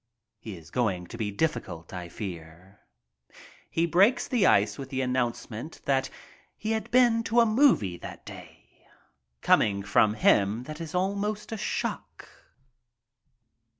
He is going to be difficult, I fear. He breaks the ice with the announcement that he had been to a movie that day ! Coming from him it was almost a shock.